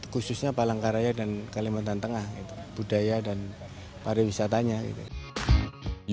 khususnya palangkaraya dan kalimantan tengah budaya dan pariwisatanya gitu